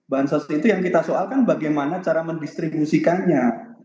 bansos itu yang kita soalkan bagaimana cara mendistribusikannya